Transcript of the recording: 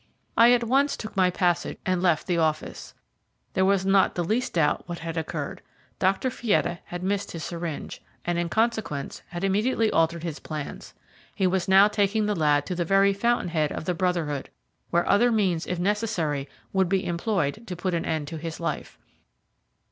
I at once took my passage and left the office. There was not the least doubt what had occurred. Dr. Fietta had missed his syringe, and in consequence had immediately altered his plans. He was now taking the lad to the very fountain head of the Brotherhood, where other means if necessary would be employed to put an end to his life.